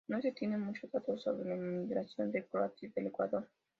No se tienen muchos datos sobre la inmigración de croatas al Ecuador.